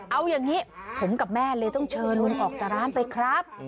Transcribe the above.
เอาอย่างนี้ผมกับแม่เลยต้องเชิญลุงออกจากร้านไปครับ